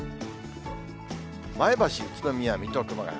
前橋、宇都宮、水戸、熊谷。